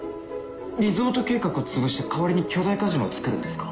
リゾート計画をつぶして代わりに巨大カジノを造るんですか？